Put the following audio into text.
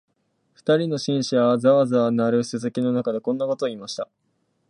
二人の紳士は、ざわざわ鳴るすすきの中で、こんなことを言いました